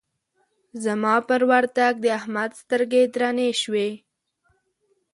زما پر ورتګ د احمد سترګې درنې شوې.